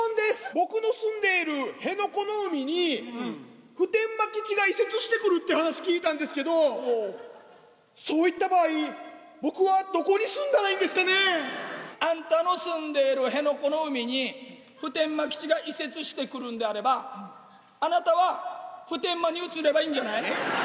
僕の住んでいる辺野古の海に普天間基地が移設してくるって話聞いたんですけど、そういった場合僕はどこに住んだらいいんですかね？あんたの住んでいる辺野古の海に普天間基地が移設してくるんであればあなたは、普天間に移ればいいんじゃない？